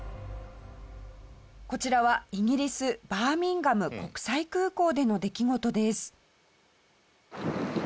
こちらはイギリスバーミンガム国際空港での出来事です。